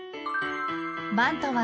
［バントは］